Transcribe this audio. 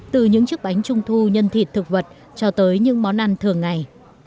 từ những chiếc bánh trung thu nhân thịt thực vật cho tới những món ăn thường ngày